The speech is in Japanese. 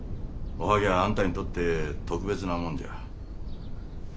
おはぎゃああんたにとって特別なもんじゃ。